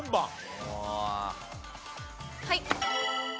はい。